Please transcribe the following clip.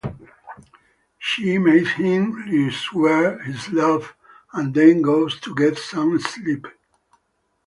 She makes him re-swear his love and then goes to get some sleep.